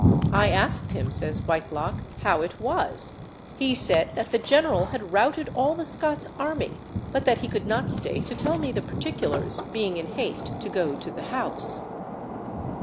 "I asked him," says Whitelock, "how it was. He said that the General had routed all the Scots army, but that he could not stay to tell me the particulars, being in haste to go to the House."